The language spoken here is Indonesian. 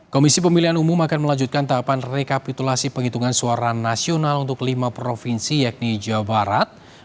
komisi pemilihan umum akan melanjutkan tahapan rekapitulasi penghitungan suara